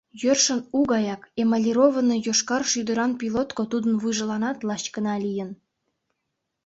Йӧршын у гаяк, эмалированный йошкар шӱдыран пилотко тудын вуйжыланат лач гына лийын.